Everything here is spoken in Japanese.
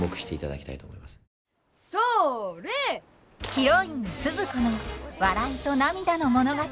ヒロインスズ子の笑いと涙の物語。